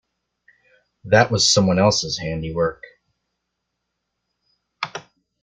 That was someone else's handy work.